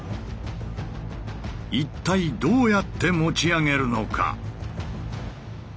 一体どうやって持ち上げるのか？